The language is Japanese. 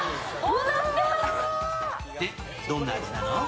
で、どんな味なの？